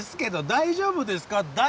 「大丈夫です」。